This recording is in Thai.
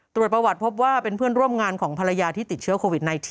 ตรวจประวัติพบว่าเป็นเพื่อนร่วมงานของภรรยาที่ติดเชื้อโควิด๑๙